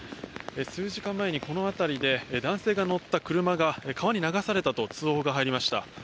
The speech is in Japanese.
数時間前に、この辺りで男性が乗った車が川に流されたと通報が入りました。